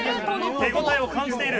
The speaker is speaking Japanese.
手応えを感じている。